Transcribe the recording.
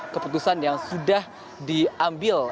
keputusan yang sudah diambil